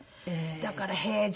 だからへえー！